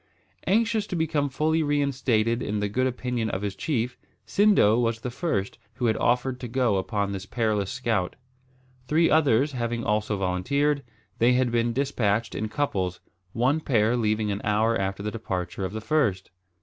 Anxious to become fully reinstated in the good opinion of his chief, Sindo was the first who had offered to go upon this perilous scout. Three others having also volunteered, they had been despatched in couples, one pair leaving an hour after the departure of the first.